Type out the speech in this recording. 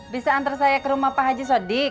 bisa antar saya ke rumah pak haji sodik